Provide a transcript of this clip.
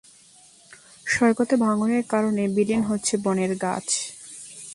সৈকতে ভাঙনের কারণে বিলীন হচ্ছে বনের গাছ।